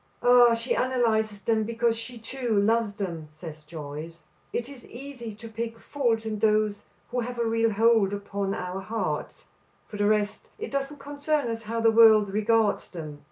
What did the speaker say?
"Ah, she analyzes them because she too loves them," says Joyce. "It is easy to pick faults in those who have a real hold upon our hearts. For the rest it doesn't concern us how the world regards them."